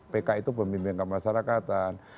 pk itu pembimbingan masyarakatan